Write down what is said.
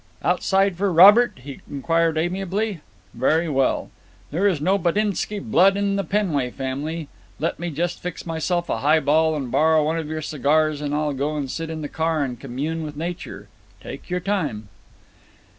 "Outside for Robert?" he inquired amiably. "Very well. There is no Buttinsky blood in the Penway family. Let me just fix myself a high ball and borrow one of your cigars and I'll go and sit in the car and commune with nature. Take your time."